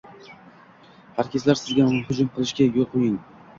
Hakerlar sizga hujum qilishiga yo'l qo'ying